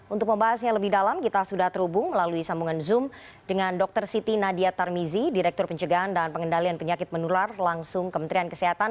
untuk membahasnya lebih dalam kita sudah terhubung melalui sambungan zoom dengan dr siti nadia tarmizi direktur pencegahan dan pengendalian penyakit menular langsung kementerian kesehatan